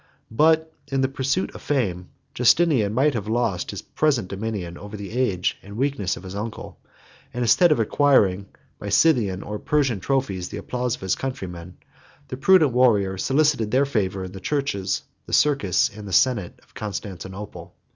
But, in the pursuit of fame, Justinian might have lost his present dominion over the age and weakness of his uncle; and instead of acquiring by Scythian or Persian trophies the applause of his countrymen, 9 the prudent warrior solicited their favor in the churches, the circus, and the senate, of Constantinople.